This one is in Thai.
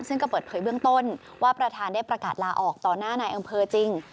ซึ่งก็เปิดเผยเบื้องต้นว่าประธานได้ประกาศลาออกต่อหน้านายอำเภอจริง